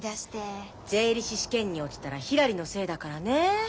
税理士試験に落ちたらひらりのせいだからね。